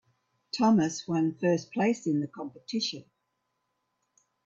Thomas one first place in the competition.